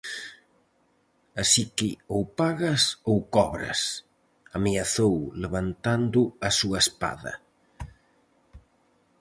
Así que ou pagas ou cobras! –ameazou levantando a súa espada–.